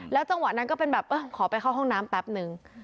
จังหวะนั้นก็เป็นแบบเออขอไปเข้าห้องน้ำแป๊บนึง